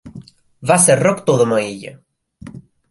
Va ser rector de Maella.